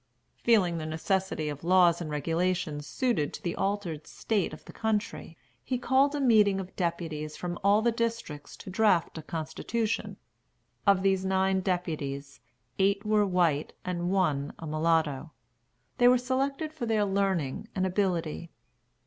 Feeling the necessity of laws and regulations suited to the altered state of the country, he called a meeting of deputies from all the districts to draft a constitution. Of these nine deputies eight were white and one a mulatto. They were selected for their learning and ability.